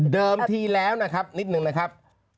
ทีแล้วนะครับนิดนึงนะครับ